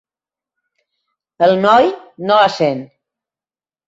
El noi no la sent.